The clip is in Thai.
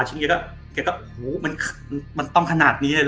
จากนี้เขาก็โอ้โฮมันต้องขนาดนี้เลยเหรอ